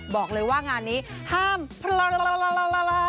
บอกเลยว่างานนี้ห้ามพลัง